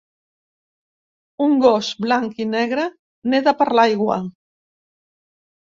un gos blanc i negre neda per l'aigua